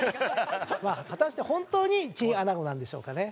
果たして本当にチンアナゴなんでしょうかね？